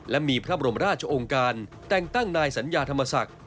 และมีพระบรมราชองค์การแต่งตั้งนายสัญญาธรรมศักดิ์